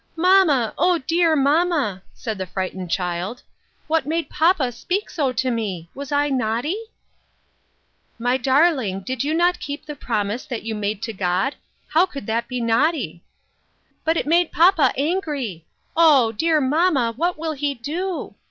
" Mamma, O, clear mamma !" said the frightened child, " what made papa speak so to me ? Was I naughty ?"" My darling, did you not keep the promise that you made to God ? How could that be naughty ?"" But it made papa angry. Oh ! dear mamma, what will he do